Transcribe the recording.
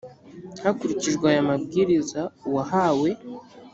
hakurikijwe aya mabwiriza uwahawe